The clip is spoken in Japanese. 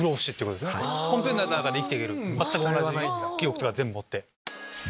コンピューターの中で生きてける全く同じ記憶とか全部持って。